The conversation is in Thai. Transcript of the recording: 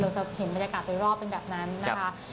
จะเห็นบรรยากาศโดยรอบเป็นแบบนั้นนะคะ